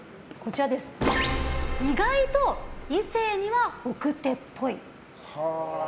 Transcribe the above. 意外と異性には奥手っぽい。